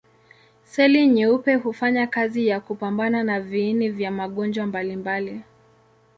Seli nyeupe hufanya kazi ya kupambana na viini vya magonjwa mbalimbali.